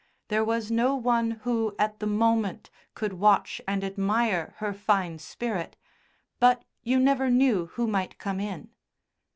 There was no one who at the moment could watch and admire her fine spirit, but you never knew who might come in.